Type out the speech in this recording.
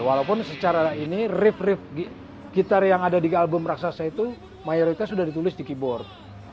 walaupun secara ini rif riff gitar yang ada di album raksasa itu mayoritas sudah ditulis di keyboard